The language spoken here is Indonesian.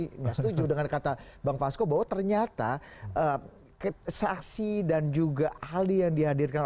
tidak setuju dengan kata bang fasko bahwa ternyata saksi dan juga ahli yang dihadirkan